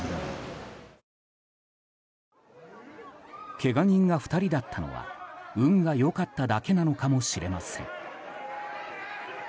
けが人が２人だったのは運が良かっただけなのかもしれません。